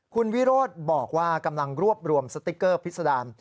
คุณวิโรธบอกว่ากำลังรวบรวมสติ๊กเกอร์พิษดาร